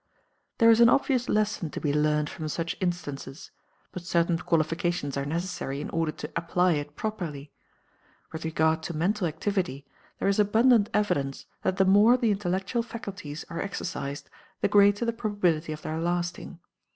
There is an obvious lesson to be learned from such instances, but certain qualifications are necessary in order to apply it properly. With regard to mental activity, there is abundant evidence that the more the intellectual faculties are exercised the greater the probability of their lasting.